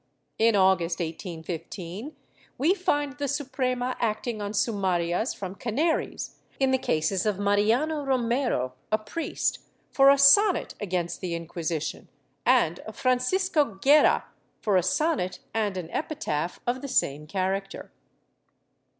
In August, 1815, we find the Suprema acting on sumarias from Canaries, in the cases of Mariano Romero, a priest, for a sonnet against the Inquisition, and of Francisco Guerra for a sonnet and an epitaph of the same character.